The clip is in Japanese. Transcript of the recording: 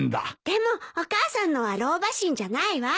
でもお母さんのは老婆心じゃないわ。